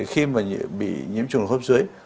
khi mà bị nhiễm trùng hô hấp dưới